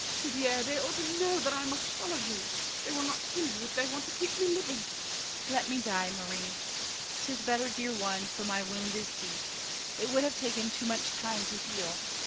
Didier, they ought to know that I must follow You! They will not kill you if they want To keep me living! DIDIER. Let me die, Marie. 'Tis better, dear one, for my wound is deep; It would have taken too much time to heal.